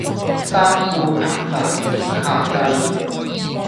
三顧頻煩天下計